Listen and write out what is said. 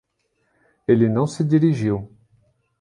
Ele não se dirigiu.